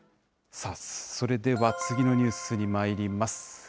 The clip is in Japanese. さあ、それでは次のニュースにまいります。